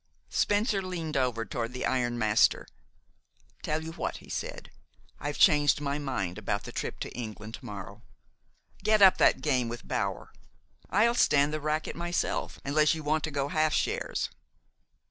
Spencer leaned over toward the iron master. "Tell you what," he said; "I've changed my mind about the trip to England to morrow. Get up that game with Bower. I'll stand the racket myself unless you want to go half shares."